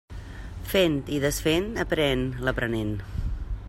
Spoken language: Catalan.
Fent i desfent, aprén l'aprenent.